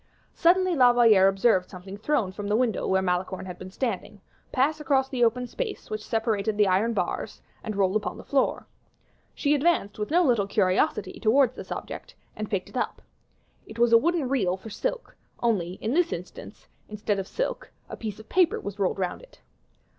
Suddenly La Valliere observed something thrown from the window where Malicorne had been standing, pass across the open space which separated the iron bars, and roll upon the floor. She advanced with no little curiosity towards this object, and picked it up; it was a wooden reel for silk, only, in this instance, instead of silk, a piece of paper was rolled round it.